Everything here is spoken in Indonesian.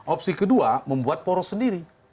opsi kedua membuat poros sendiri